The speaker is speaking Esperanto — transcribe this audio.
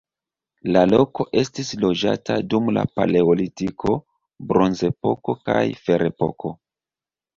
La loko estis loĝata dum la paleolitiko, bronzepoko kaj ferepoko.